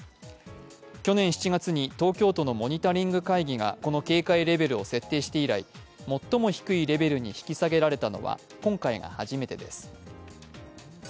去年７月に東京都のモニタリング会議がこの警戒レベルを設定して以来、最も低いレベルに引き下げられたのは今回が初めてです。